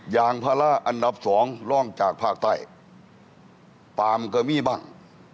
ยางภาระอันดับสองร่องจากภาคใต้ปาล์มก็มีบ้าง